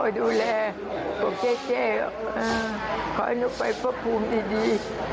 ขอให้หนูไปประภูมิดี